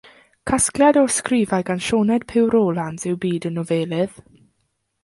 Casgliad o ysgrifau gan Sioned Puw Rowlands yw Byd y Nofelydd.